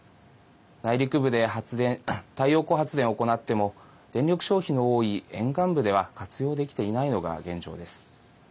内陸部で太陽光発電を行っても電力消費の多い沿岸部では活用できていないのが現状です。